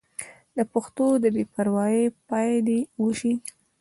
د پښتو د بې پروايۍ پای دې وشي.